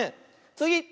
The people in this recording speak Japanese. つぎ！